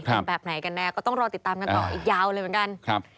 เป็นแบบไหนกันแน่ก็ต้องรอติดตามกันต่ออีกยาวเลยเหมือนกันครับ